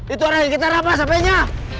itu orang yang kita rapat sampe nya